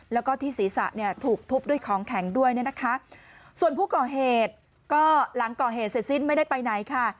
แล้วก็ที่ศีรษะเนี่ยถูกทุบด้วยของแข็งด้วยเนี่ยนะคะส่วนผู้ก่อเหตุก็หลังก่อเหตุเสร็จสิ้นไม่ได้ไปไหนค่ะ